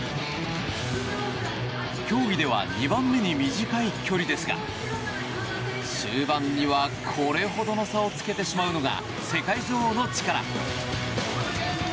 競技では２番目に短い距離ですが終盤にはこれほどの差をつけてしまうのが世界女王の力。